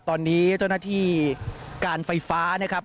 ตอนนี้เจ้าหน้าที่การไฟฟ้านะครับ